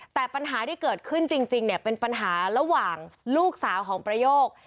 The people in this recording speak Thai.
แต่ปัญหาที่เกิดขึ้นจริงเนี่ยเป็นปัญหาระหว่างลูกสาวของประโยค